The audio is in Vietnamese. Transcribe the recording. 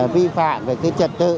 vi phạm về cái trật tự